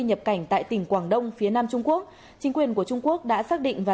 nhập cảnh tại tỉnh quảng đông phía nam trung quốc chính quyền của trung quốc đã xác định và